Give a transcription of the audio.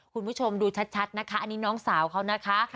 คุณผู้ชมดูชัดนะคะอันนี้น้องสาวเขานะคะ